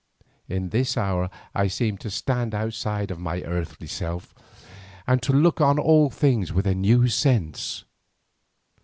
In this hour I seemed to stand outside of my earthly self, and to look on all things with a new sense.